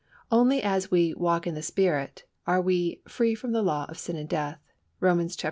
Only as we "walk in the Spirit" are we "free from the law of sin and death" (Romans viii.